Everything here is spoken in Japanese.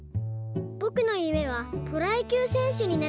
「ぼくのゆめはプロやきゅうせんしゅになることです。